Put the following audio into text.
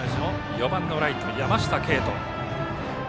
４番ライト、山下慶士。